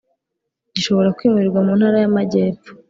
Gishobora kwimurirwa mu ntara y’amajyepho